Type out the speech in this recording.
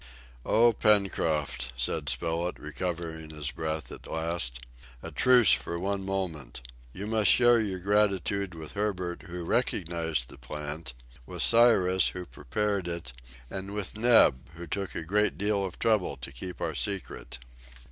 "Oh Pencroft," said Spilett, recovering his breath at last, "a truce for one moment. You must share your gratitude with Herbert, who recognized the plant, with Cyrus, who prepared it, and with Neb, who took a great deal of trouble to keep our secret."